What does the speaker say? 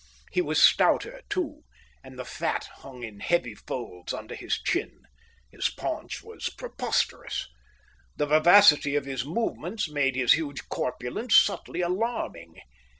He was stouter, too, and the fat hung in heavy folds under his chin; his paunch was preposterous. The vivacity of his movements made his huge corpulence subtly alarming.